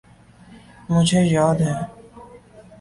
مجھے یاد ہے۔